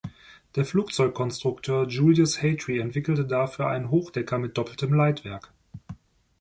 Der Flugzeugkonstrukteur Julius Hatry entwickelte dafür einen Hochdecker mit doppeltem Leitwerk.